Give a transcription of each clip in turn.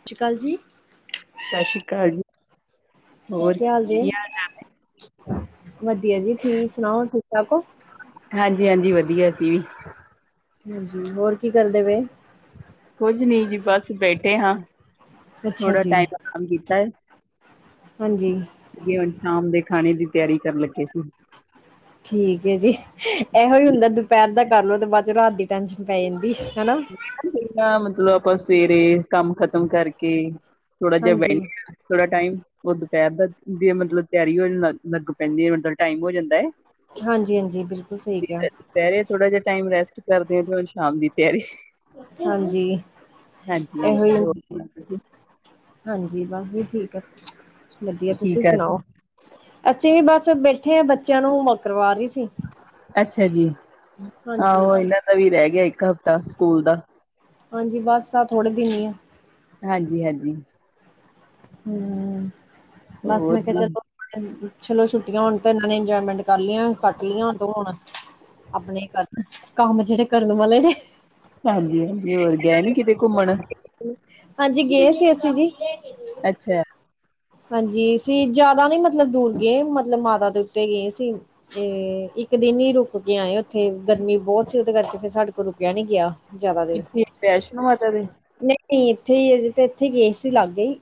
ਸਸ ਰੀ ਕਾਲ ਜੀ। ਸਸ ਰੀ ਕਾਲ ਜੀ। ਕੀ ਹਾਲ ਜੇ? ਵਧੀਆ ਜੀ, ਤੁਸੀ ਸੁਣਾਓ ਠੀਕ ਠਾਕ ਹੋ। ਹਾਂਜੀ ਹਾਂਜੀ ਵਧੀਆ ਸੀ। ਹਾਂਜੀ ਹੋਰ ਕੀ ਕਰਦੇ ਪਏ ਕੁਝ ਨਹੀਂ ਜੀ ਬਸ ਬੈਠੇ ਹਾਂ। ਅੱਛਾ ਥੋੜਾ ਜੀ, ਟਾਈਮ ਆਰਾਮ ਕੀਤਾ ਹੈ ਹਾਂਜੀ। ਅੱਗੇ ਹੁਣ ਸ਼ਾਮ ਦੇ ਖਾਣੇ ਦੀ ਤਿਆਰੀ ਕਰਨ ਲੱਗੇ ਸੀ ਠੀਕ ਹੈ ਜੀ ਇਹੋ ਹੀ ਹੁੰਦਾ ਦੁਪਹਿਰ ਦਾ ਕਰ ਲਓ ਤੇ ਬਾਅਦ ਚਲੋ ਰਾਤ ਦੀ ਟੈਂਸ਼ਨ ਪੈ ਜਾਂਦੀ ਹਨਾ। ਮ ਪਾਂ ਮਤਲਬ ਆਪਾਂ ਸਵੇਰੇ ਕੰਮ ਖਤਮ ਕਰਕੇ ਥੋੜਾ ਜਿਆ ਹਾਂਜੀ। ਬਹਿਨੇ ਥੋੜਾ ਟਾਈਮ ਉਹ ਦੁਪਹਿਰ ਦੀ ਮਤਲਬ ਤਿਆਰੀ ਹੋ ਲੱਗ ਪੈਂਦੀ ਹੈ ਮਤਲਬ ਟਾਈਮ ਹੋ ਜਾਂਦਾ ਹੈ ਹਾਂਜੀ ਹਾਂਜੀ, ਬਿਲਕੁਲ ਸਹੀ ਕਿਹਾ ਕਹਿ ਰਹੇ ਥੋੜਾ ਜਿਹਾ ਟਾਈਮ ਰੈਸਟ ਕਰਦੇ ਹੋ ਹੁ ਸ਼ਾਮ ਦੀ ਤਿਆਰੀ ਹਾਂਜੀ ਹਾਂਜੀ ਹਾਂਜੀ ਇਹੋ ਹੋਰ ਸੁਣਾਓ ਤੁਸੀਂ ਹਾਂਜੀ ਬਸ ਠੀਕ ਆ ਵਧੀਆ ਕੀ ਤੁਸੀਂ ਕਰ ਸੁਣਾਓ ਅਸੀਂ ਵੀ ਬਸ ਬ ਬੈਠੇ ਆ ਬੱਚਿਆਂ ਨੂੰ ਮ ਕਰਵਾ ਰਹੀ ਸੀ ਅੱਛਾ ਜੀ ਹਾਂਜੀ। ਆਹੋ ਇਹਨਾਂ ਦਾ ਵੀ ਰਹਿ ਗਿਆ ਇੱਕ ਹਫ਼ਤਾ ਸਕੂਲ ਦਾ ਹਾਂਜੀ ਬਸ ਆ ਥੋੜੇ ਦਿਨ ਹੀ ਆ ਹਾਂਜੀ ਹਾਂਜੀ ਹਮ ਬਸ ਮੈਂ ਜੀ ਕਿਹਾ ਚ ਦ ਚਲੋ ਛੁੱਟੀਆਂ ਹੁਣ ਤੇ ਇਹਨਾਂ ਨੇ ਇੰਜੋਏਮੈਂਟ ਕਰ ਲਈਆਂ ਕੱਟ ਲਈ ਹੁ ਹੁਣ ਆਪਣੇ ਕਰਨ ਕੰਮ ਜਿਹੜੇ ਕਰਨ ਵਾਲੇ ਨੇ ਹਾਂਜੀ ਹਾਂਜੀ ਹੋਰ ਗ ਨ ਕਿਤੇ ਘੁੰਮਣ ਹਾਂਜੀ ਗਏ ਸੀ ਅਸੀਂ ਜੀ ਅੱਛਾ ਹਾਂਜੀ ਸੀ ਜਿਆਦਾ ਨੀ ਮਤਲਬ ਦੂਰ ਗਏ ਮਤਲਬ ਮਾਤਾ ਦੇ ਉੱਤੇ ਗਏ ਸੀ ਤੇ ਇੱਕ ਦਿਨ ਹੀ ਰੁਕ ਕੇ ਆਏ ਉੱਥੇ ਗਰਮੀ ਬਹੁਤ ਸੀ ਉਹਦੇ ਕਰਕੇ ਫਿਰ ਸਾਡੇ ਕੋਲ ਰੁਕਿਆ ਨੀ ਗਿਆ ਜ਼ਿਆਦਾ ਦੇਰ ਕਿੱਥੇ ਵੈਸ਼ਨੋ ਮਾਤਾ ਦੇ? ਨਹੀਂ ਨਹੀਂ ਇੱਥੇ ਹੀ ਅਜੇ ਤੇ ਇੱਥੇ ਗਏ ਸੀ ਲਾਗੇ ਹੀ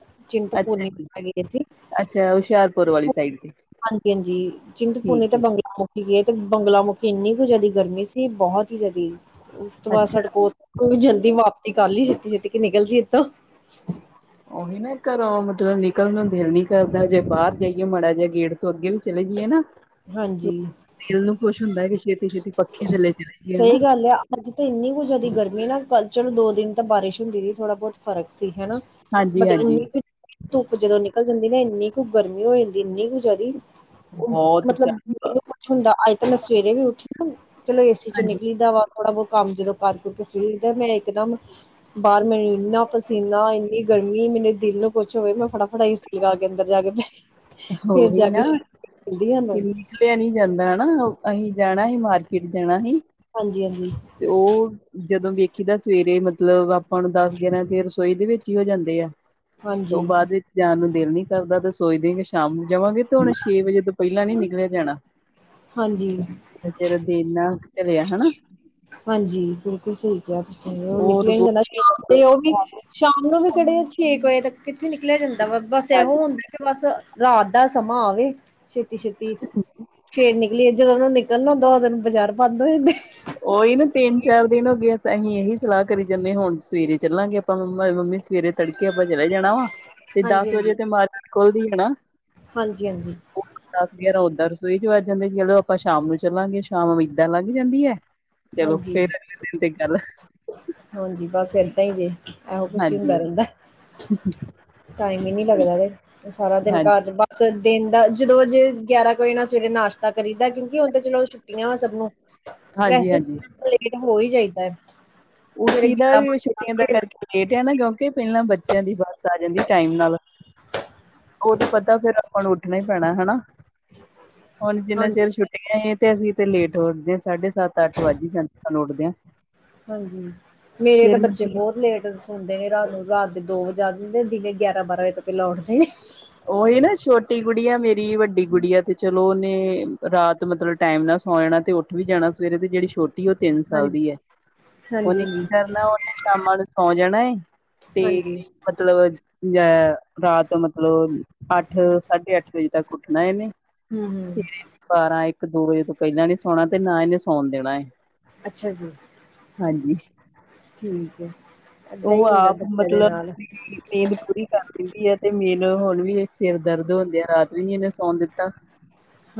ਅੱਛਾ ਚਿੰਤਪੂਰਨੀ ਜੀ, ਗੇ ਸੀ ਅੱਛਾ ਹੁਸ਼ਿਆਰਪੁਰ ਵਾਲੀ ਸਾਈਡ ਤੇ ਹਾਂਜੀ ਹਾਂਜੀ ਚਿੰਤਪੂਰਨੀ ਠੀਕ ਤੇ ਏ। ਬੰਗਲਾ ਏ ਤੇ ਬੰਗਲਾ ਮੁਖੀ ਇੰਨੀ ਕੁ ਜ਼ਿਆਦਾ ਗਰਮੀ ਸੀ ਬਹੁਤ ਦੀ ਉਸ ਤੋਂ ਬਾਅਦ ਅੱਛਾ, ਸੜਕੋ ਜਾਂਦੀ ਵਾਪ ਛਤੀ ਕੱਲ ਹੀ ਛੇਤੀ ਛੇਤੀ ਕਿ ਨਿਕਲ ਜ ਇਏਥੋਂ ਉਹੀ ਨਾ ਘਰੋਂ ਮਤਲਬ ਨਿਕਲਣ ਨੂੰ ਦਿਲ ਨੀ ਕਰਦਾ ਜੇ ਬਾਹਰ ਜਾਈਏ ਮਾੜਾ ਜਿਹਾ ਗੇਟ ਤੋਂ ਅੱਗੇ ਵੀ ਚਲੇ, ਨਾ ਹਾਂਜੀ ਦਿਲ ਨੂੰ ਖੁਸ਼ ਹੁੰਦਾ ਕਿ ਛੇਤੀ-ਛੇਤੀ ਪੱਖੇ ਥੱਲੇ ਚਲੇ ਜਾਈਏ ਹਨਾ, ਸਹੀ ਗੱਲ ਹੈ ਅੱਜ ਤਾਂ ਇੰਨੀ ਕੁ ਜ਼ਿਆਦਾ ਗਰਮੀ ਲ ਚਲੋ ਦੋ ਦਿਨ ਤਾਂ ਬਾਰਿਸ਼ ਹੁੰਦੀ ਸੀ ਥੋੜਾ ਬਹੁਤ ਫ਼ਰਕ ਸੀ ਹਨਾ ਬਟ ਹਾਂਜੀ-ਹਾਂਜੀ। ਇੰਨੀ ਕੁ ਧੁੱਪ ਜਦੋਂ ਨਿਕਲ ਜਾਂਦੀ ਨਾ ਇੰਨੀ ਕੁ ਗਰਮੀ ਹੋ ਜਾਂਦੀ ਇੰਨੀ ਕੁ ਜਿਆਦੀ ਉਹ ਬਹੁਤ ਮਤਲਬ ਜ਼ਿਆਦਾ, ਕੁਛ ਹੁੰਦਾ ਅੱਜ ਤਾਂ ਮੈਂ ਸਵੇਰੇ ਵੀ ਉੱਠੀ ਚਲੋ ਏ ਸੀ ਚੋਂ ਹਾਂਜੀ ਨਿਕਲੀਦਾ ਵਾ ਥੋੜ੍ਹਾ ਬਹੁਤ ਕੰਮ ਜਦੋਂ ਕਰਕੁਰਕੇ ਫਰੀ ਹੁੰਦਾ ਮੈਂ ਇੱਕਦਮ ਹ ਬਾਹਰ ਮੈਨੂੰ ਇੰਨਾ ਪਸੀਨਾ ਇੰਨੀ ਗਰਮੀ ਮੇਰੇ ਦਿਲ ਨੂੰ ਕੁਛ ਹੋਵੇ ਮੈਂ ਫਟਾਫਟਾ ਹੀ ਸੀ ਲਗਾ ਕੇ ਅੰਦਰ ਜਾ ਕੇ ਫੇਰ ਜਾ ਕੇ ਦੀ ਹਾਂ ਨੂੰ। ਨਹੀਂ ਜਾਂਦਾ ਨਾ। ਓ ਅਹੀ ਜਾਣਾ ਹੀ ਮਾਰਕੀਟ, ਜਾਣਾ ਹੀ। ਹਾਂਜੀ ਹਾਂਜੀ ਤੇ ਓ ਜਦੋਂ ਸਵੇਰੇ ਮਤਲਬ, ਆਪਾਂ ਨੂੰ ਦਸ -ਗਿਆਰਾਂ ਤੇ ਰਸੋਈ ਦੇ ਵਿੱਚ ਹੀ ਹੋ ਜਾਂਦੇ ਆ। ਤੇ ਓ ਹਾਂਜੀ ਬਾਅਦ ਵਿੱਚ ਜਾਣ ਨੂੰ ਦਿਲ ਨੀ ਕਰਦਾ ਤੇ ਸੋਚਦੇ ਕਿ ਸ਼ਾਮ ਨੂੰ ਜਾਵਾਂਗੇ ਤੇ ਹੁਣ ਛੇ ਵਜੇ ਤੋਂ ਪਹਿਲਾਂ ਨੀ ਨਿਕਲਿਆ ਜਾਣਾ। ਹਾਂਜੀ ਹੈ ਨਾ। ਹਾਂਜੀ, ਬਿਲਕੁਲ। ਸਹੀ ਕਿਹਾ ਤੁਸੀਂ ਓ ਹੋਰ ਨਿਕਲਿਆ ਨੀ ਜਾਂਦਾ। ਏ ਉਹੀ, ਸ਼ਾਮ ਨੂੰ ਵੀ ਕਿਹੜੇ ਛੇ ਕੇ ਵਜੇ ਤੱਕ ਕਿੱਥੇ ਨਿਕਲਿਆ ਜਾਂਦਾ ਵਾ ਬਸ, ਇਹੋ ਹਾਂਜੀ ਹੁੰਦਾ ਕਿ ਬਸ ਰਾਤ ਦਾ ਸਮਾਂ ਆਵੇ। ਛੇਤੀ-ਛੇਤੀ ਫੇਰ ਨਿਕਲੀਏ ਜਦੋਂ ਨੂੰ ਨਿਕਲਣਾ ਹੁੰਦਾ, ਉਦੋਂ ਨੂੰ ਬਜ਼ਾਰ ਬੰਦ ਹੋ ਜਾਂਦੇ [inaudible] ਤਿੰਨ-ਚਾਰ ਦਿਨ ਹੋ ਗਏ। [unintelligible] ਅਸੀਂ ਇਹੀ ਸਲਾਹ ਕਰੀ ਜਾਂਦੇ ਹਾਂ, ਹੁਣ ਸਵੇਰੇ ਚੱਲਾਂਗੇ ਆਪਾਂ [unintelligible] ਮੰਮੀ ਸਵੇਰੇ ਤੜਕੇ। [unintelligible] ਹੀ ਜਾਣਾ ਵਾ। ਤੇ ਹਾਂਜੀ ਦਸ ਹਾਂਜੀ ਵਜੇ ਤੇ ਮਾਰਕਿਟ ਖੁਲਦੀ ਆ ਨਾ [inaudible] ਹਾਂਜੀ ਹਾਂਜੀ ਦਸ-ਗਿਆਰਾਂ ਓਦਾਂ, [unintelligible] 'ਚ ਵੱਜ ਜਾਂਦੇ ਚਲੋ, ਆਪਾਂ ਸ਼ਾਮ ਨੂੰ ਚੱਲਾਂਗੇ, ਸ਼ਾਮੀ। ਏਦਾਂ ਲੱਗ ਜਾਂਦੀ ਐ ਚਲੋ, [inaudible] ਹਾਂਜੀ ਫਿਰ [inaudible] ਤੇ ਗੱਲ। ਫਿਰ ਤਾਂ ਹੀ ਜੇ, ਇਹੋ ਕੁਛ ਹੀ ਹਾਂਜੀ ਹੁੰਦਾ ਰਹਿੰਦਾ। ਟਾਈਮ ਹੀ ਨੀ ਲੱਗਦਾ ਤੇ ਸਾਰਾ ਦਿਨ ਘਰ ਹਾਂਜੀ 'ਚ ਬਸ। ਦਿਨ ਦਾ ਜਦੋਂ ਅਜੇ ਗਿਆਰਾਂ 'ਕ ਵਜੇ ਨਾ, ਸਵੇਰੇ ਨਾਸ਼ਤਾ ਕਰੀਦਾ, ਕਿਉਂਕਿ ਉਹ ਤਾਂ ਚਲੋ [unintelligible] ਵਾ ਸਭ ਨੂੰ ਹਾਂਜੀ ਵੈਸੇ ਹਾਂਜੀ [inaudible] ਲੇਟ ਹੋ ਹੀ ਜਾਈਦਾ। ਸਵੇਰੇ ਉੱਠੀ ਦਾ ਗਿਆਰਾਂ ਵੀ ਛੁੱਟੀਆਂ ਦਾ ਬਾਰਾਂ ਵਜੇ ਕਰਕੇ ਲੇਟ ਆ ਨਾ, ਕਿਉਂਕਿ ਪਹਿਲਾਂ ਬੱਚਿਆਂ ਦੀ ਬੱਸ ਆ ਜਾਂਦੀ ਟਾਈਮ ਨਾਲ [unintelligible] ਤੇ ਪਤਾ ਫੇਰ ਹੁਣ ਉੱਠਣਾ ਹੀ ਪੈਣਾ ਹੈ ਨਾ ਹੁਣ, ਜਿੰਨਾ ਹਾਂਜੀ ਚਿਰ ਛੁੱਟੀਆਂ ਏ ਤੇ ਅਸੀਂ ਤੇ ਲੇਟ ਉੱਠਦੇ ਸਾਢੇ ਸੱਤ-ਅੱਠ ਵੱਜ ਹੀ ਜਾਂਦੇ ਸਾਨੂੰ ਉੱਠਦਿਆਂ। ਹਾਂਜੀ ਮੇਰੇ ਤਾਂ ਬੱਚੇ ਬਹੁਤ ਲੇਟ ਸੌਂਦੇ ਨੇ ਰਾਤ ਨੂੰ ਰਾਤ ਦੇ ਦੋ [unintelligible] ਦਿਨੇ ਗਿਆਰਾਂ-ਬਾਰਾਂ ਵਜੇ ਤੋਂ ਪਹਿਲਾਂ ਉੱਠਦੇ ਨੇ। ਉਹੀ ਨਾ ਛੋਟੀ ਗੁੱਡੀਆਂ ਮੇਰੀ, ਵੱਡੀ ਗੁੱਡੀਆਂ ਆ ਤੇ ਚਲੋ, ਤੇ ਰਾਤ ਮਤਲਬ ਟਾਇਮ ਨਾਲ ਸੌਂ ਜਾਣਾ ਤੇ ਉੱਠ ਵੀ ਜਾਣਾ ਸਵੇਰੇ, ਤੇ ਜਿਹੜੀ ਛੋ [unintelligible] ਤਿੰਨ ਸਾਲ ਹਾਂਜੀ ਦੀ ਐ ਹਾਂਜੀ ਉਹਨੇ ਕੀ ਹਾਂਜੀ ਕਰਨਾ, ਉਹਨੇ ਸ਼ਾਮਾ ਨੂੰ ਸੌਂ ਜਾਣਾ ਹੈ। ਤੇ ਹਾਂਜੀ ਮਤਲਬ [unintelligible] ਰਾਤ ਮਤਲਬ ਅੱਠ ਸਾਢੇ ਅੱਠ, ਵਜੇ ਤੱਕ ਉੱਠਣਾ ਇੰਨੇ ਹੂੰ ਹੂੰ [inaudible] ਬਾਰਾਂ, ਇੱਕ ਦੋ ਵਜੇ ਤੋਂ ਪਹਿਲਾਂ ਨੀ ਸੌਣਾ ਤੇ ਨਾ ਇਹਨੇ ਸੌਣ ਦੇਣਾ ਏ। ਅੱਛਾ ਜੀ, [inaudible] ਠੀਕ ਹੈ। ਏਦਾਂ ਉਹ ਹੀ ਹੁੰਦਾ ਆਪ ਬੱਚਿਆਂ ਦੇ ਮਤਲਬ ਨਾਲ ਨੀਂਦ ਪੂਰੀ ਕਰ ਲੈਂਦੀ ਹੈ ਤੇ [unintelligible] ' [unintelligible] ਹੁਣ ਵੀ ਸਿਰ ਦਰਦ ਹੋਣ ਦਿਆ ਰਾਤ ਵੀ ਨੀ ਇਹਨੇ ਸੌਣ ਦਿੱਤਾ,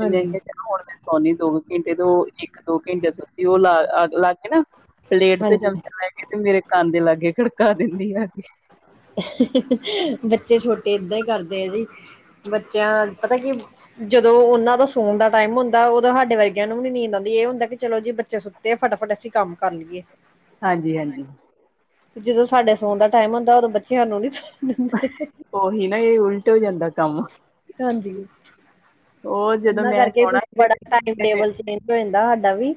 ਤੇ ਮੈਂ ਕਿਹਾ, ਸੋਨੀ ਦੋ ਕ ਘੰਟੇ ਤੇ ਉਹ ਇੱਕ-ਦੋ ਘੰਟੇ ਸੁੱਤੀ ਉਹ ਲ ਅੱਗ ਲੱਗ ਕੇ ਨਾ। ਪਲੇਟ ਤੇ ਹਾਂਜੀ ਚਮਚੇ ਲੈ ਕੇ ਤੇ ਮੇਰੇ ਕੰਨ ਦੇ ਲਾਗੇ, ਖੜਕਾ ਦਿੰਦੀ ਆ ਕੇ। ਹ ਹ ਹ ਬੱਚੇ ਛੋਟੇ ਏਦਾਂ ਹੀ ਕਰਦੇ ਆ ਜੀ ਬੱਚਿਆਂ ਪਤਾ ਕੀ ਜਦੋਂ ਉਹਨਾਂ ਦਾ ਸੋਣ ਦਾ ਟਾਈਮ ਹੁੰਦਾ ਉਦੋਂ ਹਾਡੇ ਵਰਗਿਆਂ ਨੂੰ ਵੀ ਨੀ ਨੀਂਦ ਆਉਂਦੀ ਇਹ ਹੁੰਦਾ ਕਿ ਚਲੋ ਜੀ ਬੱਚੇ ਸੁੱਤੇ ਫ ਫਟਾਫਟ ਅਸੀਂ ਕੰਮ ਕਰ ਲਈਏ। ਹਾਂਜੀ, ਹਾਂਜੀ। ਜਦੋਂ ਸਾਡੇ ਸੌਣ ਦਾ ਟਾਈਮ ਹੁੰਦਾ, ਉਦੋਂ ਬੱਚੇ ਹਾਨੂੰ ਨੀ ਦਿੰਦੇ ' [inaudible] ਉਹੀ ਨਾ, ਏ ਉਲਟ ਹੋ ਜਾਂਦਾ ਕੰਮ। ਉਹ ਜਦੋਂ ਇਹਨਾਂ ਮੈਂ ਕਰਕੇ ਸੋਣਾ ਕੁਛ ਸੀ ਬੜਾ ਟਾਈਮ-ਟੇਬਲ ਚੇਂਜ ਹੋ ਜਾਂਦਾ ਹਾਡਾ ਵੀ।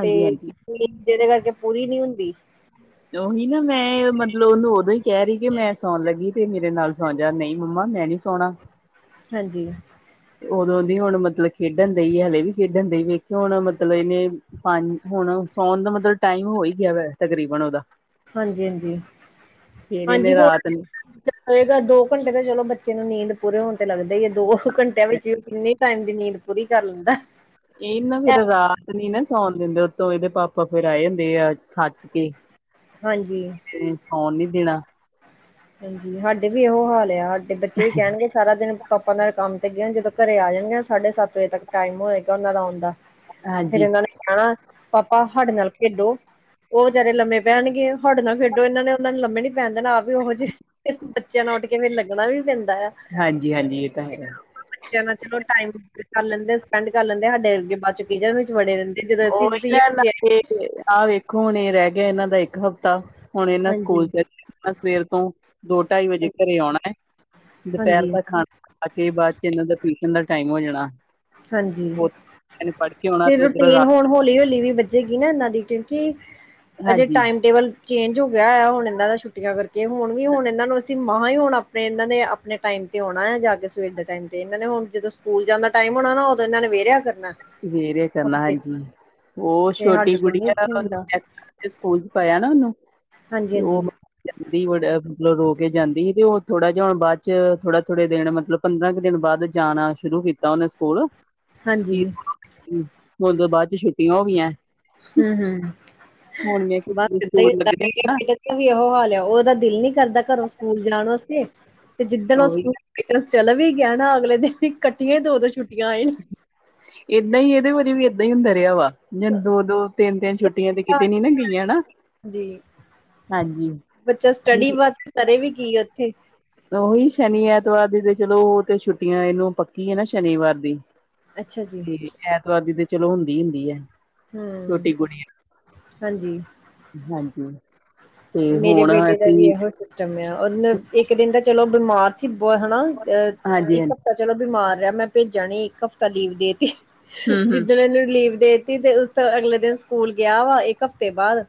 ਤੇ ' [inaudible] ਜਿਹਦੇ ਕਰਕੇ ਪੂਰੀ ਨੀ ਹੁੰਦੀ। ਉਹੀ ਨਾ, ਮੈਂ ਮਤਲਬ ਉਹਨੂੰ ਉਦੋਂ ਹੀ ਕਹਿ ਰਹੀ ਕਿ ਮੈਂ ਸੌਣ ਲੱਗੀ। ਤੇ ਮੇਰੇ ਨਾਲ ਸੋ ਜਾ ਨਹੀਂ ਮੰਮਾ, ਮੈਂ ਨੀ ਸੋਣਾ। ਹਾਂਜੀ। ਤੇ ਉਦੋਂ ਦੀ ਹੁਣ ਮਤਲਬ ਖੇਡਣ ਦੇਈ ਹਾਲੇ ਵੀ ਹਾਲੇ ਵੀ ਖੇਡਣ ਦੇਈ ਏ ਵੇਖ ਹੁਣ, ਮਤਲਬ ਇਹਨੇ ਪੰਜ ਹੁਣ ਸੌਣ ਦਾ ਮਤਲਬ ਟਾਈਮ ਹੋ ਹੀ ਗਿਆ ਵਾ, ਹਾਂਜੀ-ਹਾਂਜੀ, ਫੇਰ ਹਾਂਜੀ ਇਹਨੇ ਰਾਤ ਨੂੰ [inaudible] ਜਾਏਗਾ ਦੋ ਘੰਟੇ ਤਾਂ ਚਲੋ ਬੱਚੇ ਨੂੰ ਨੀਂਦ ਪੂਰੇ ਹੋਣ ਤੇ ਲੱਗਦੇ ਈ ਆ ਦੋ ਘੰਟਿਆਂ ਵਿੱਚ ਕਿੰਨੇ ਟਾਈਮ ਦੀ ਨੀਂਦ ਪੂਰੀ ਕਰ ਲੈਂਦਾ। ਇਹ ਨਾ ਫੇਰ, ਰਾਤ ਨੀ ਨਾ ਸੌਣ ਦਿੰਦੇ ਉ ਇਹਦੇ ਪਾਪਾ ਫੇਰ ਆਏ ਹੁੰਦੇ ਆ ਥੱਕ ਕੇ, ਹਾਂਜੀ ਤੇ ਸੌਣ ਨੀ ਦੇਣਾ ਹਾਂਜੀ ਸਾਡੇ ਵੀ ਇਹੋ ਹਾਲ ਆ, ਸਾਡੇ ਬੱਚੇ ਵੀ ਕਹਿਣਗੇ ਸਾਰਾ ਦਿਨ ਪਾਪਾ ਨਾਲ ਕੰਮ ਜਦੋਂ ਘਰੇ ਆ ਜਾਣੀਆਂ, ਸਾਢੇ ਸੱਤ ਵਜੇ ਤੱਕ ਟਾਈਮ ਹੋਏਗਾ ਉਹਨਾਂ ਦੇ ਆਣ ਦਾ। ਫੇਰ ਇਹਨਾਂ ਨੇ ਕਹਿਣਾ, ਪਾਪਾ ਆਹਡੇ ਨਾਲ ਖੇਡੋ। ਉਹ ਬਚਾਰੇ ਲੰਮੇ ਪੈਣਗੇ ਆਹਡੇ ਨਾਲ ਖੇਡੋ ਇਹਨਾਂ ਨੇ ਉਹਨਾਂ ਨੂੰ ਲੰਮੇ ਨੀ ਪੈਣ ਦੇਣਾ ਆਪ ਵੀ ਉਹ ਜਿਹੇ ਬੱਚਿਆਂ ਨਾਲ ਉੱਠ ਕੇ ਫੇਰ ਲੱਗਣਾ ਵੀ ਪੈਂਦਾ ਹਾਂਜੀ-ਹਾਂਜੀ-ਹਾਂਜੀ ਇਹ ਤਾਂ ਹੈ। ਬੱਚਿਆਂ ਨਾਲ ਚਲੋ ਟਾਈਮ ਕਰ ਲੈਂਦੇ ਸਪੈਂਡ ਕਰ ਲੈਂਦੇ ਆ ਸਾਡੇ ਅਰਗੇ ਬਾਦ ਚ ਕਹੀ ਜਾਣ ਵੀ। ਉਹ ਇਹਨਾਂ ਆਹ ਵੇਖੋ ਹੁਣ ਇਹ ਰਹਿ ਗਿਆ ਇਹਨਾਂ ਦਾ ਇੱਕ ਇੱਕ ਹਫ਼ਤਾ ਹੁਣ ਇਹਨਾਂ ਸਕੂਲ ਹਾਂਜੀ ਚ ਸਵੇਰ ਤੋਂ ਦੋ ਢਾਈ ਵਜੇ ਘਰੇ ਆਉਣਾ ਐ ਦੁਪਹਿਰ ਹਾਂਜੀ ਦਾ ਖਾਣਾ ਖਾ ਕੇ ਬਾਅਦ ਚ ਇਹਨਾਂ ਦਾ ਟਿਊਸ਼ਨ ਦਾ ਟਾਈਮ ਹੋ ਜਾਣਾ। ਹਾਂਜੀ ਨੇ ਪੜ੍ਹ ਕੇ ਆਉਣਾ ਫਿਰ ਤੇ ਉਧਰੋਂ ਰੂਟੀਨ ਰਾਤ ਹੋਣ ਹੋਲੀ ਹੋਲੀ ਹੌਲੀ ਵੀ ਵੱਜੇਗੀ ਨਾ ਇਹਨਾਂ ਦੀ ਕਿਉਂਕਿ ਅਜੇ ਹਾਂਜੀ ਟਾਈਮ ਟੇਬਲ ਚੇਂਜ ਹੋ ਗਿਆ ਆ ਹੁਣ ਇਹ ਦਾ ਛੁੱਟੀਆਂ ਕਰਕੇ ਹੁਣ ਵੀ ਹੁਣ ਇਹਨਾਂ ਨੂੰ ਸ ਅਸੀਂ ਮਾਂ ਏ ਹੁਣ ਆਪਣੇ ਇਹਨਾਂ ਨੇ ਆਪਣੇ ਟਾਈਮ ਤੇ ਆਉਣਾ ਆ ਜਾ ਕੇ ਸਵੇਰ ਦੇ ਟਾਈਮ ਤੇ ਇਹਨਾਂ ਨੇ ਹੁਣ ਜਦੋਂ ਸਕੂਲ ਜਾਨਾ ਟਾਈਮ ਹੋਣਾ ਨਾ ਉਦੋ ਇਹਨਾਂ ਨੇ ਵੇਰਿਆ ਫੇਰ ਵੇਰੇ ਕਰਨਾ ਹਾਂਜੀ। ਉਹ ਤੇ ਛੋਟੀ ਸਾਡੇ ਕੋਲ ਕੁੜੀ ਨੀ ਐ ਉੱਠ ਓਹਨੂੰ ਹੁੰਦਾ ਐਸ ਸਕੂਲ ਚ ਪਾਇਆ ਨਾ ਉਹਨੂੰ। ਹਾਂਜੀ ਤੇ ਹਾਂਜੀ ਉਹਦੀ ਮਤਲਬ ਰੋ ਕੇ ਜਾਂਦੀ ਸੀ ਤੇ ਉਹ ਥੋੜਾ ਜਿਹਾ ਹੋਣ ਬਾਅਦ ਚ ਥੋੜਾ ਥੋੜੇ ਦਿਨ ਮਤਲਬ ਪੰਦਰਾਂ ਕੁ ਦਿਨ ਬਾਅਦ ਜਾਣਾ ਸ਼ੁਰੂ ਸ਼ੁਰੂ ਕੀਤਾ ਉਹਨੇ ਸਕੂਲ। ਹਾਂਜੀ। ਹੁਣ ਦੋ ਬਾਅਦ ਚ ਛੁੱਟੀਆਂ ਹੋ ਗਈਆਂ। ਹੂੰ ਹੂੰ ਹੁਣ ਮੈਂ ਕਿਹਾ ਬਸ ਸਕੂਲ ਏਦਾਂ ਲੱਗਣੇ ਨਾ ਈ ਵੀ ਇਹੋ ਹਾਲ ਏ ਉਹਦਾ ਦਿਲ ਨੀ ਕਰਦਾ ਘਰੋਂ ਸਕੂਲ ਜਾਣ ਵਾਸਤੇ ਤੇ ਜਿੱਦਣ ਉਹ ਉਹੀ ਸਕੂਲ ਚਲਾ ਵੀ ਗਿਆ ਨਾ ਅਗਲੇ ਦਿਨ ਹੀ ਕੱਠੀਆਂ ਹੀ ਦੋ ਦੋ ਛੁੱਟੀਆਂ ਆ ਜਾਣੀ ਆ। ਨਈਂ ਦਰਿਆ ਵਾ ਜਾਂ ਦੋ ਦੋ ਤਿੰਨ ਤਿੰਨ ਛੁੱਟੀਆਂ ਤੇ ਕਿਤੇ ਨੀ ਨਾ ਗਈਆਂ ਨਾ। ਜੀ, ਹਾਂਜੀ ਬੱਚਾ ਸਟੱਡੀ ਸ਼ਨੀ ਬਸ ਕਰੇ ਵੀ ਕੀ ਉੱਥੇ। ਉਹੀ ਸ਼ਨੀ ਐਤਵਾਰ ਦੀ ਤੇ ਚਲੋ ਉਹ ਤੇ ਛੁੱਟੀਆਂ ਇਹਨੂੰ ਪੱਕੀ ਐ ਨਾ ਸ਼ਨੀਵਾਰ ਦੀ। ਅੱਛਾ ਜੀ, ਤੇ ਐਤਵਾਰ ਦੀ ਤੇ ਚਲੋ ਹੁੰਦੀ ਹੁੰਦੀ ਐ। ਹੂੰ, ਛੋਟੀ ਕੁੜੀ ਹਾਂਜੀ। ਹਾਂਜੀ। ਤੇ ਮੇਰੇ ਹੁਣ ਬੇਟੇ ਦਾ ਵੀ ਅਸੀਂ ਇਹੋ ਸਿਸਟਮ ਆ। ਮਤਲਬ ਇੱਕ ਦਿਨ ਤਾਂ ਚਲੋ ਬਿਮਾਰ ਸੀ, ਬਹੋ ਹਨਾ ਅ ਹਾਂਜੀ ਹਾਂਜੀ ਇੱਕ ਹਫ਼ਤਾ ਚਲੋ ਬਿਮਾਰ ਰਿਹਾ ਮੈਂ ਭੇਜਾ ਨਹੀਂ, ਇੱਕ ਹਫ਼ਤਾ ਲੀਵ ਦੇ ਤੀ, ਹਮ ਹਮ ਜਿੱਦਣ ਇਹਨੂੰ ਲੀਵ ਦੇ ਤੀ ਉਸ ਤੋਂ ਅਗਲੇ ਦਿਨ ਸਕੂਲ ਗਿਆ ਵਾ ਇੱਕ ਹਫ਼ਤੇ ਬਾਅਦ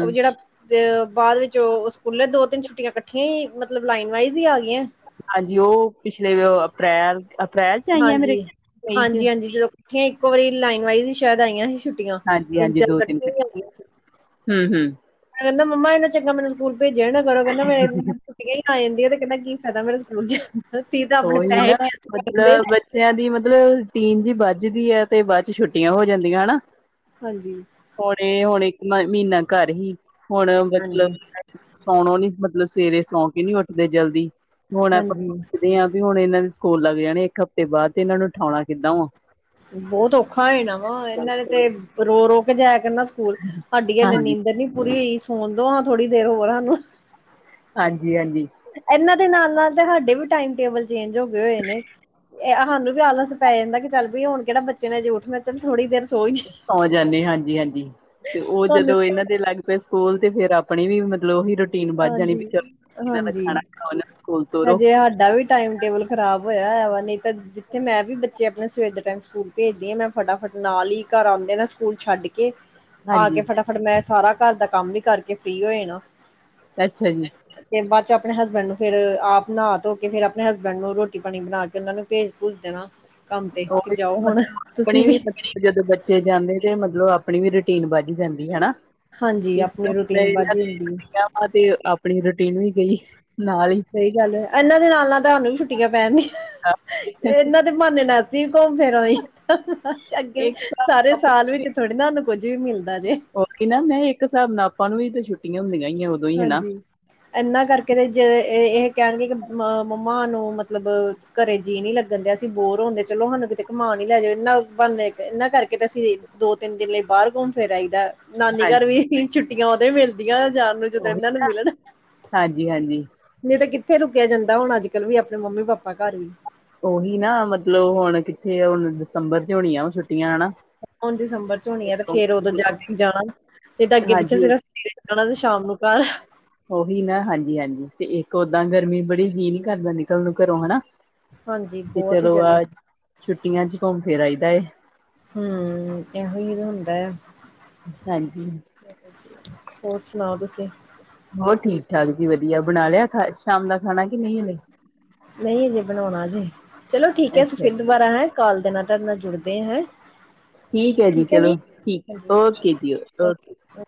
ਉਹ ਜਿਹੜਾ ਤੇ ਬਾਅਦ ਵਿੱਚ ਉਹ ਸਕੂਲੇ ਦੋ ਤਿੰਨ ਛੁਟੀਆਂ ਕੱਠੀਆਂ ਈ ਮਤਲਬ ਲਾਈਨ ਵਾਈਜ ਈ ਆ ਗਈਆਂ। ਹਾਂਜੀ ਉਹ ਪਿਛਲੇ ਅਪ੍ਰੈਲ ਅਪ੍ਰੈਲ ਚ ਆਈ ਆ ਨੇ ਮਈ ਚ। ਇਕੱਠੀਆ ਇੱਕੋ ਵਾਰੀ ਲਾਈਨ ਵਾਈਜ਼ ਹੀ ਸ਼ਾਇਦ ਆਈਆਂ ਸੀ ਛੁੱਟੀਆਂ ਹਾਂਜੀ ਤਿੰਨ ਹਾਂਜੀ ਚਾਰ ਦੋ ਇਕੱਠੇ ਤਿੰਨ ਹੋ ਗਈਆਂ ਸੀ। ਹੂੰ-ਹੂੰ, ਕਹਿੰਦਾ ਮੰਮਾ ਇਹਨਾ ਚੰਗਾ ਮੈਨੂੰ ਸਕੂਲ ਭੇਜਿਆ ਨਾ ਕਰੋ ਕਹਿੰਦਾ ਮੇਰੀ ਆ ਐਨੀ ਆ ਛੁੱਟੀਆ ਹੀ ਆ ਜਾਂਦੀ। ਤੇ ਕਹਿੰਦਾ ਕੀ ਫ਼ਾਇਦਾ ਮੇਰਾ ਸਕੂਲ ਜਾਣ ਦਾ ਤੀ ਤਾਂ ਆਪਣੇ ਉਹੀ ਪੈਸੇ ਨਾ ਵੇਸਟ ਕਰਦੇ ਮਤਲਬ ਨੇ ਬੱਚਿਆਂ ਦੀ ਮਤਲਬ ਟੀਨ ਜੀ ਵੱਝਦੀ ਆ। ਤੇ ਬਾਅਦ ਚ ਛੁੱਟੀਆਂ ਹੋ ਜਾਂਦੀਆਂ ਹਨਾ ਹਾਂਜੀ ਹੁਣੇ ਹੁਣੇ ਮ ਮਹੀਨਾ ਘਰ ਹੀ ਹੁਣ ਮਤਲਬ ਹਾਂਜੀ ਸੌਣੋ ਨੀ ਮਤਲਬ ਸਵੇਰੇ ਸੌ ਕੇ ਨੀ ਉੱਠਦੇ ਜਲਦੀ ਹੁਣ ਆਪਾਂ ਹਾਂਜੀ ਦੇ ਆ ਵੀ ਹੁਣ ਇਹਨਾਂ ਦੇ ਸਕੂਲ ਲੱਗ ਜਾਣੇ ਇੱਕ ਹਫ਼ਤੇ ਬਾਦ ਤੇ ਏਨਾਂ ਨੂੰ ਉਠਾਉਣਾ ਕਿੱਦਾਂ ਵਾ ਬਹੁਤ ਔਖਾ ਏ ਨਾ ਵਾ ਏਨਾਂ ਨੇ ਤੇ ਰੋ ਰੋ ਕੇ ਜਾਇ ਕਰਨਾ ਸਕੂਲ ਸਾਡੀ ਹਲੇ ਹਾਂਜੀ, ਨੀਂਦਰ ਨੀ ਪੂਰੀ ਹੋਈ ਸੋਣ ਦੋ ਨਾ ਥੋੜੀ ਦੇਰ ਹੋਰ ਸਾਨੂੰ ਹਾਂਜੀ-ਹਾਂਜੀ ਏਨਾਂ ਦੇ ਨਾਲ ਨਾਲ ਤੇ ਸਾਡੇ ਵੀ ਟਾਈਮ ਟੇਬਲ ਚੇਂਜ ਹੋਗੇ ਹੋਏ ਨੇ ਏ ਹਾਂਨੂੰ ਵੀ ਆਲਸ ਪੈ ਜਾਂਦਾ ਕਿ ਚੱਲ ਵਈ ਹੁਣ ਕੇੜਾ ਬੱਚੇ ਨੇ ਹਜੇ ਉੱਠਣਾ ਮੈਂ ਚੱਲ ਥੋੜੀ ਦੇਰ ਸੋ ਹੀ ਜਾਈਏ। ਆ ਜਾਂਨੇ ਹਾਂਜੀ ਹਾਂਜੀ ਤੇ ਓ ਤੁਹਾਨੂੰ ਜਦੋਂ ਵੀ ਏਨਾਂ ਦੇ ਲੱਗ ਪੇ ਸਕੂਲ ਤੇ ਫੇਰ ਆਪਣੀ ਵੀ ਮਤਲਬ ਓਹੀ ਰੋ ਹਾਂਜੀ ਹਾਂਜੀ ਖਾਓ ਇਹਨਾਂ ਨੂੰ ਸਕੂਲ ਤੋਰੋ ਹਜੇ ਹਾਡਾ ਵੀ ਟਾਈਮ ਟੇਬਲ ਖ਼ਰਾਬ ਹੋਇਆ ਆ ਵਾ, ਨਹੀ ਤਾਂ ਜਿੱਥੇ ਮੈਂ ਵੀ ਬੱਚੇ ਆਪਣੇ ਸਵੇਰ ਦੇ ਉਸ ਟਾਈਮ ਸਕੂਲ ਭੇਜਦੀ ਆ ਮੈਂ ਫਟਾਫਟ, ਨਾਲ ਹੀ ਘਰ ਆਂਉਂਦੇ ਨਾ ਸਕੂਲ ਛੱਡ ਕੇ ਆ ਕੇ ਹਾਂਜੀ ਫਟਾਫਟ ਮੈਂ ਸਾਰਾ ਘਰ ਦਾ ਕੰਮ ਵੀ ਕਰਕੇ ਫ੍ਰੀ ਹੋ ਜਣਾ। ਅੱਛਾ ਜੀ। ਆਪਣੇ ਹਸਬੈਂਡ ਨੂੰ ਫਿਰ ਆਪ ਨਾ ਧੋ ਕੇ ਫਿਰ ਆਪਣੇ ਹਸਬੈਂਡ ਨੂੰ ਰੋਟੀ ਪਾਣੀ ਬਣਾ ਕੇ ਓਨਾਂ ਨੂੰ ਭੇਜ ਭੂਜ ਦੇਣਾ। ਕੰਮ ਤੇ ਕਿ ਜਾਓ [unintelligible] ਹੁਣ ਆਪਣੇ ਤੁਸੀਂ ਵੀ [unintelligible] ਜਦੋਂ ਬੱਚੇ ਜਾਂਦੇ ਤੇ ਮਤਲਬ ਆਪਣੀ ਵੀ ਰੂਟੀਨ ਬਜ ਜਾਂਦੀ ਹਨਾ, ਹਾਂਜੀ ਤੇ ਆਪਣੀ ਰੂਟੀਨ ਬਾਜੀ ਹੁੰਦੀ ਹੈ [unintelligible] ਆਪਣੀ ਰੂਟੀਨ ਵੀ ਗਈ। ਨਾਲ ਹੀ। ਸਈ ਗੱਲ ਐ, ਏਨਾਂ ਦੇ ਨਾਲ-ਨਾਲ ਤੁਹਾਨੂੰ ਵੀ ਛੁੱਟੀਆਂ ਪੈਣ, ਏਨਾਂ ਦੇ ਬਾਨੇ ਨਾਲ ਅਸੀ ਵੀ ਘੁੰਮ ਫਿਰ ਆਈ, ਅੱਗੇ ਇੱਕ ਹਿਸਾਬ ਸਾਰੇ ਨਾਲ ਆਪਾਂ ਸਾਲ ਵਿੱਚ ਥੋੜੀ ਨਾ ਓਨੂੰ ਕੁੱਝ ਵੀ ਮਿਲਦਾ ਜੇ। ਉਹੀ ਨਾ ਇੱਕ ਸਾਲ ਹੁਣ ਆਪਾਂ ਨੂੰ ਵੀ ਤੇ ਛੁੱਟੀਆਂ ਹੁੰਦੀਆਂ ਹੀ ਆ ਉਦੋਂ ਹੀ ਹਨਾ। ਹਾਂਜੀ, ਏਨਾਂ ਕਰਕੇ ਤੇ ਜੇ ਏ ਇਹ ਕੈਨਗੇ ਕਿ ਮ ਮੰਮਾ ਨੂੰ ਮਤਲਬ ਘਰੇ ਜੀਅ ਨੀ ਲੱਗਣ ਦਿਆ ਸੀ, ਬੋਰ ਹੋਣਦੇ ਚਲੋ ਹੁਣ ਕਿਤੇ ਘਮਾਨ ਈ ਲੈ ਜੌ, ਇਨਾ ਬੰਨ [unintelligible] ਏਨਾਂ ਕਰਕੇ ਤੇ ਅਸੀਂ ਦੋ ਤਿੰਨ ਦਿਨ ਲਈ ਬਾਰ ਘੁੰਣ ਫਿਰ ਆਈਦਾ। ਨਾਨੀ ਹਾਂਜੀ ਘਰ ਵੀ, ਛੁੱਟੀਆਂ ਓਦੇ ਹੀ ਮਿਲਦੀਆਂ ਜਾਣ ਨੂੰ ਉਹੀ ਨੰਦਾ ਨੂੰ ਮਿਲਣ, ਹਾਂਜੀ ਹਾਂਜੀ। ਨਈ ਤੇ ਕਿ ਕਿੱਥੇ ਰੁਕਿਆ ਜਾਂਦਾ ਹੁਣ ਅੱਜ ਕੱਲ੍ਹ ਵੀ ਆਪਣੇ ਮੰਮੀ ਪਾਪਾ ਘਰ ਵੀ। ਓਹੀ ਨਾ ਮਤਲਬ ਹੁਣ ਕਿੱਥੇ ਹੁਣ ਦਸੰਬਰ ਚ ਹੋਣੀ ਆ ਉਹ ਛੁੱ ਹੁਣ ਦਸੰਬਰ ਚ ਹੋਣੀਆਂ, ਤੇ ਫੇਰ ਉਦੋਂ ਜਾ ਜਾਣਾ। ਨੀ ਤਾਂ ਅੱਗੇ ਪਿੱਛੇ ਹਾਂਜੀ ਸਿਰਫ਼ ਸਵੇਰੇ ਜਾਣਾ ਤੇ ਸ਼ਾਮ ਨੂੰ ਘਰ। ਦਾਂ ਗਰਮੀ ਬੜੀ ਫੀਲ ਕਰਦਾ, ਨਿਕਲਣ ਨੂੰ ਘਰੋਂ ਹਨਾ। ਹਾਂਜੀ ਤੇ ਬਹੁਤ ਹੀ ਚਲੋ ਜ਼ਿਆਦੀ ਆ ਛੁੱਟੀਆਂ ਚ ਘੁੰਮ ਫਿਰ ਆਈਦਾ ਏ। ਹਮ ਏਹੋ ਈ ਤੇ ਹੁੰਦਾ ਏ। ਹਾਂਜੀ। ਹੋਰ ਸੁਣਾਓ ਤੁਸੀਂ? ਹੋਰ ਠੀਕ ਠਾਕ ਜੀ ਵਧੀਆ, ਬਣਾ ਲਿਆ ਖਾ ਸ਼ਾਮ ਦਾ? ਖਾਣਾ ਕਿ ਨਹੀਂ ਹਲੇ ਨਹੀਂ ਅਜੇ ਬਣਾਉਣਾਜੇ, ਚਲੋ ਠੀਕ ਐ ਅਸੀਂ ਅੱਛਾ ਫਿਰ ਜੀ ਦੁਬਾਰਾ ਹੈਂ ਕਾਲ ਦੇਣਾ [unintelligible] ਨਾਲ ਜੁੜਦੇ ਹੈ। ਹੈ ਠੀਕ ਐ ਜੀ ਚਲੋ ਹਾਂਜੀ ਠੀਕ ਓਕੇ ਜੀ ਓਕੇ ਓਕੇ